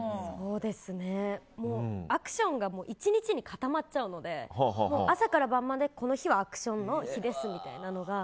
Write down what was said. アクションが１日に固まっちゃうので朝から晩まで、この日はアクションの日ですみたいなのが。